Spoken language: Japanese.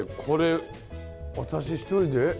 これ私一人で？